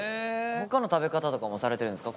他の食べ方とかもされてるんですか？